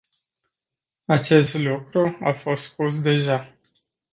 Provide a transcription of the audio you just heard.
Acest lucru a fost spus deja.